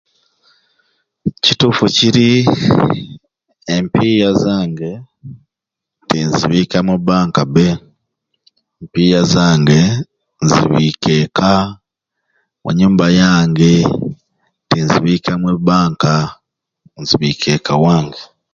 Ekituffu kiri empiya zange tinzibika mu banka bee, empiya zange nzibika ekka mu nyumba yange tinzibika mu bank nzibika ekka wange.